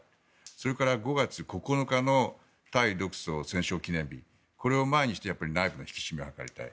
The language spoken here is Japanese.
それから５月９日の対独ソ戦勝記念日これを前にして内部の引き締めを図りたい。